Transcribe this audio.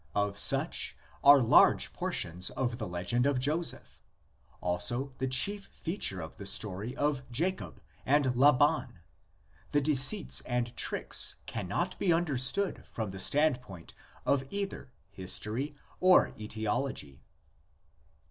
Of such are large portions of the legend of Joseph; also the chief feature of the story of Jacob and Laban; the deceits and tricks cannot be understood from the standpoint of either history or aetiology.